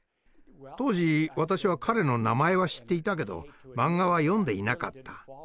当時私は彼の名前は知っていたけどマンガは読んでいなかった。